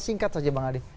singkat saja bang adi